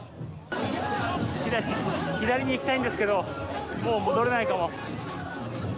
左に行きたいんですけれども、もう戻れないかも。